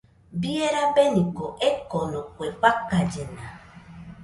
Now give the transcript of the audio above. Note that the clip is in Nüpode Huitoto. Bie rabeniko ekoko, kue fakallena